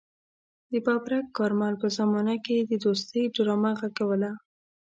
د ببرک کارمل په زمانه کې يې د دوستۍ ډرامه غږوله.